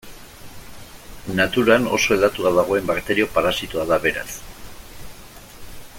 Naturan oso hedatuta dagoen bakterio parasitoa da, beraz.